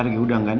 alergi udang kan